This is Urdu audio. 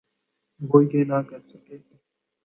وہ یہ نہ کر سکے۔